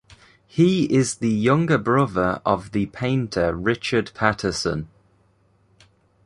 He is the younger brother of the painter Richard Patterson.